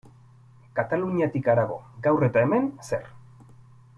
Kataluniatik harago, gaur eta hemen, zer?